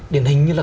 điển hình như là